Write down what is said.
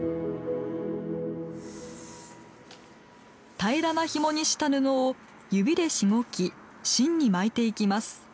平らなひもにした布を指でしごき芯に巻いていきます。